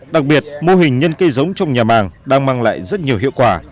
đặc biệt mô hình nhân cây giống trong nhà màng đang mang lại rất nhiều hiệu quả